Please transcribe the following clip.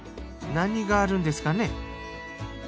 何があるんですかね？